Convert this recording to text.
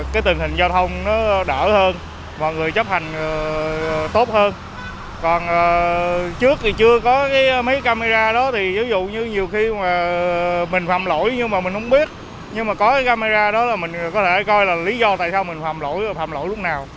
cái camera đó là mình có thể coi là lý do tại sao mình phạm lỗi phạm lỗi lúc nào